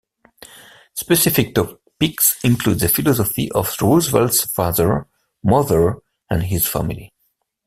Specific topics include the philosophy of Roosevelt's father, mother, and his family.